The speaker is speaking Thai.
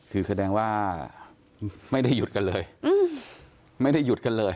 คือแสดงว่าไม่ได้หยุดกันเลยไม่ได้หยุดกันเลย